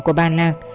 của bà lạc